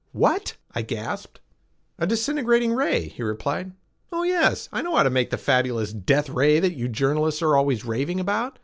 "What?" I gasped. "A disintegrating ray," he replied. "Oh yes, I know how to make the fabulous 'death ray' that you journalists are always raving about.